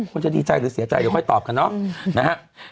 คุณจะดีใจหรือเสียใจเดี๋ยวค่อยตอบกันเนาะนะฮะ